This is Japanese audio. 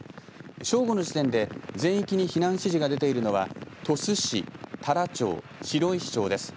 正午の時点で全域に避難指示が出ているのは鳥栖市、太良町、白石市です。